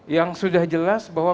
yang sudah jelas bahwa